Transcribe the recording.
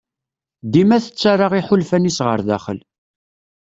Dima tettarra iḥulfan-is ɣer daxel.